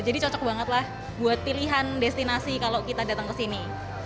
jadi cocok banget lah buat pilihan destinasi kalau kita datang kesini